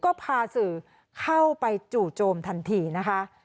ก็พาสื่อเข้าไปจู่โจมทันทีนะคะ